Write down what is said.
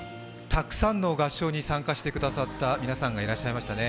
たくさんの合唱に参加してくださった皆さんがいらっしゃいましたね。